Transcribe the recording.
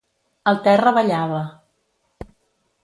El terra ballava.